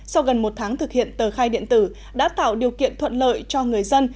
sau gần một tháng thực hiện tờ khai điện tử đã tạo điều kiện thuận lợi cho người dân